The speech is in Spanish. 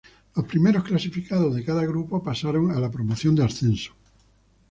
Los primeros clasificados de cada grupo pasaron a la promoción de ascenso.